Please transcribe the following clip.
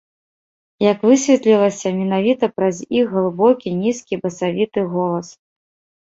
Як высветлілася, менавіта праз іх глыбокі, нізкі, басавіты голас.